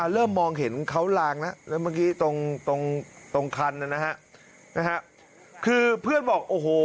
เริ่มมองเห็นเขาลางแล้วแล้วเมื่อกี้ตรงตรงคันนะฮะนะฮะคือเพื่อนบอกโอ้โห